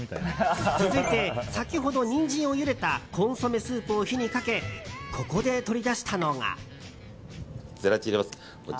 続いて、先ほどニンジンをゆでたコンソメスープを火にかけここで取り出したのが。